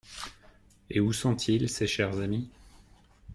Et où sont-ils, ces chers amis ?